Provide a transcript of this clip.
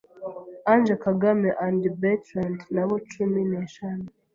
Ange Kagame &Bertrand nabo cumi neshanu